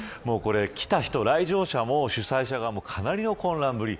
来た人、来場者も主催者側もかなりの混乱ぶり